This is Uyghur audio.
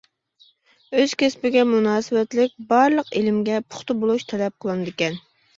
ئۆز كەسپىگە مۇناسىۋەتلىك بارلىق ئىلىمگە پۇختا بولۇش تەلەپ قىلىنىدىكەن.